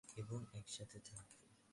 এবং একসাথে থাকবো।